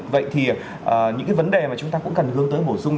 vậy thì những cái vấn đề mà chúng ta cũng cần hướng tới bổ sung